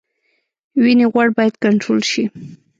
وینې غوړ باید کنټرول شي